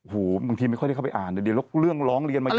หูวบางทีไม่ค่อยได้เข้าไปอ่านหรืองเรื่องเรียนมามาก